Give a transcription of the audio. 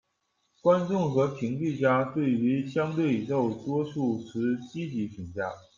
观众和剧评家对于《相对宇宙》多数持积极评价。